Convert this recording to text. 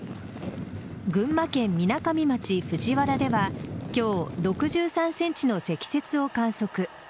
群馬県みなかみ町藤原では今日、６３ｃｍの積雪を観測。